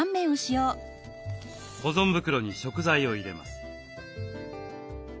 保存袋に食材を入れます。